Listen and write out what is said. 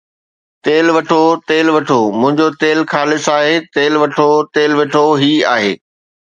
تيل وٺو، تيل وٺو، منهنجو تيل خالص آهي، تيل وٺو، تيل وٺو، هي آهي